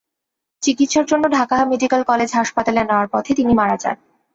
চিকিৎসার জন্য Dhaka medical college হাসপাতালে নেওয়ার পথে তিনি মারা যান।